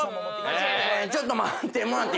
「ちょっと待ってもらっていいっすか？